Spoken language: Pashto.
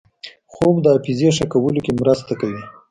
خوب د حافظې ښه کولو کې مرسته کوي